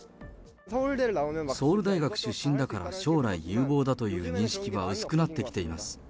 ソウル大学出身だから将来有望だという認識は薄くなってきています。